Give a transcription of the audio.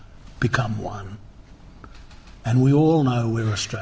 dan kita semua tahu kita adalah australia